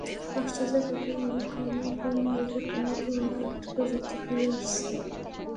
তবে আশ্চর্যের ব্যাপার হলো, গ্রামোফোন রেকর্ড নামের পুরোনো একটি প্রযুক্তি ফিরে আসছে।